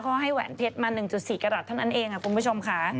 เขาให้แหวนเพชรมา๑๔กรัฐเท่านั้นเองค่ะคุณผู้ชมค่ะ